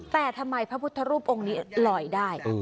แต่ทำไมพระพุทธรูปองค์นี้ลอยได้